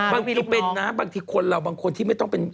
บางทีเป็นนะบางทีคนเราบางคนที่ไม่ต้องเป็น